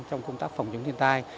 trong công tác phòng chống thiên tai